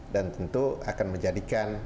dan tentu akan menjadikan